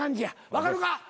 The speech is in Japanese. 分かるか？